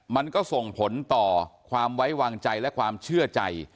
มันก็ส่งผลต่อความไว้วางใจและความเชื่อใจ